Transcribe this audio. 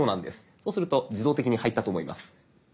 そうすると自動的に入ったと思います。